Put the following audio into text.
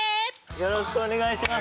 よろしくお願いします。